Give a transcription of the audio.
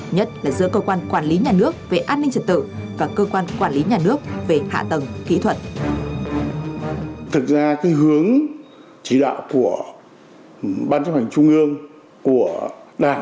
như luật giao thông đường bộ năm hai nghìn tám